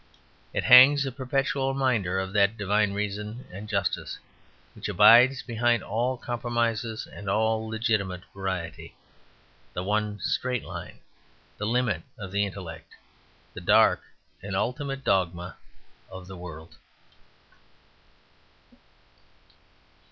It hangs, a perpetual reminder of that divine reason and justice which abides behind all compromises and all legitimate variety; the one straight line; the limit of the intellect; the dark and ultimate dogma of the world.